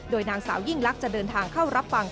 โดยนางสาวยิ่งลักษณ์จะเดินทางเข้ารับฟัง